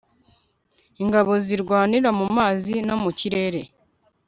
ingabo zirwanira mumazi no mukirere